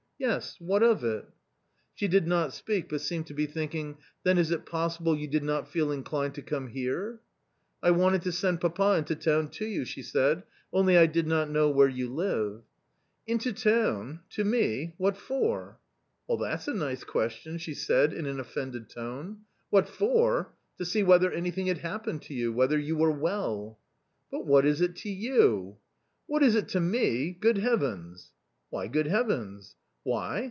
" Yes, what of it ?" She did not speak, but seemed to be thinking ;" then is it possible you did not feel inclined to come here ?" "I wanted to send papa into town to you," she said, " only I did not know where you live:" " Into town ? to me ? what for ?"" That's a nice question !" she said in an offended tone. " What for ? To see whether anything had happened to you, whether you were well ?"" But what is it to you ?"" What is it to me ? Good Heavens !"" Why good Heavens ?" "Why!